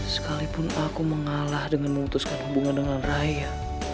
sekalipun aku mengalah dengan memutuskan hubungan dengan raya